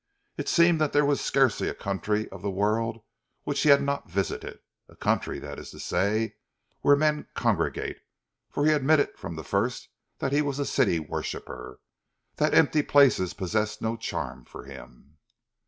It seemed that there was scarcely a country of the world which he had not visited, a country, that is to say, where men congregate, for he admitted from the first that he was a city worshipper, that the empty places possessed no charm for him.